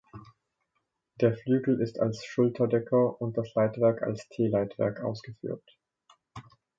Der Flügel ist als Schulterdecker und das Leitwerk als T-Leitwerk ausgeführt.